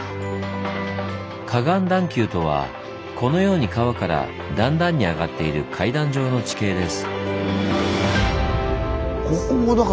河岸段丘とはこのように川から段々に上がっている階段状の地形です。